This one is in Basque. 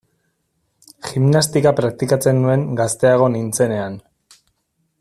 Gimnastika praktikatzen nuen gazteago nintzenean.